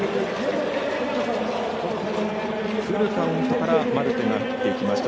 フルカウントからマルテが打っていきました。